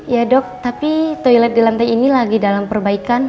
ya dok tapi toilet di lantai ini lagi dalam perbaikan